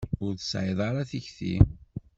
Ur tesɛiḍ ara tikti.